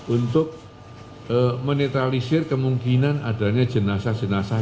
untuk menetralisir kemungkinan adanya jenazah jenazah